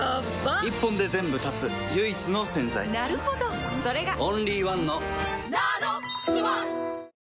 一本で全部断つ唯一の洗剤なるほどそれがオンリーワンの「ＮＡＮＯＸｏｎｅ」